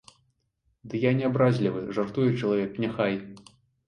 Ды я не абразлівы, жартуе чалавек, няхай.